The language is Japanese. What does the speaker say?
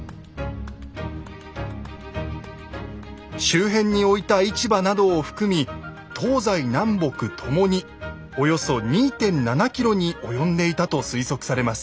周辺に置いた市場などを含み東西南北ともにおよそ２．７ｋｍに及んでいたと推測されます。